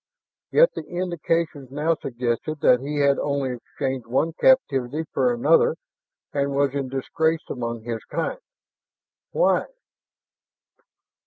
Yet the indications now suggested that he had only changed one captivity for another and was in disgrace among his kind. Why?